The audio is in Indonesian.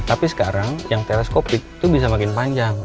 tapi sekarang yang teleskopik itu bisa makin panjang